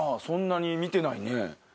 そんなに見てないね。